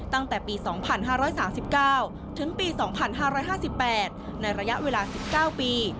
ตั้งแต่ปี๒๕๓๙ถึงปี๒๕๕๘ในระยะเวลา๑๙ปี